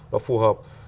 nó phù hợp